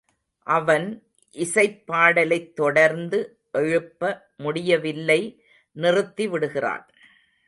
அவன் இசைப்பாடலைத் தொடர்ந்து எழுப்ப முடியவில்லை நிறுத்தி விடுகிறான்.